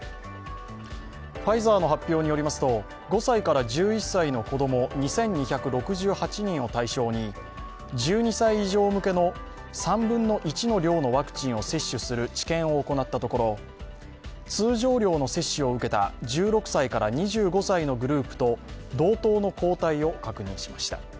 ファイザーの発表によりますと、５歳から１１歳の子供、２２６８人を対象に１２歳以上向けの３分の１の量のワクチンを接種する治験を行ったところ、通常量の接種を受けた１６歳から２５歳のグループと同等の抗体を確認しました。